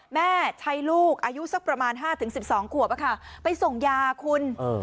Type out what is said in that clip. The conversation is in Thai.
แม่ใช้ลูกอายุสักประมาณ๕๑๒ขวบไปส่งยาคุณ